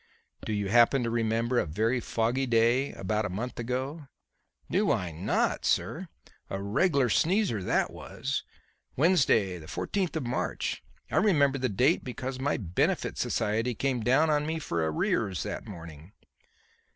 "Do you happen to remember a very foggy day about a month ago?" "Do I not, sir! A regler sneezer that was! Wednesday, the fourteenth of March. I remember the date because my benefit society came down on me for arrears that morning."